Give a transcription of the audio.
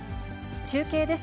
中継です。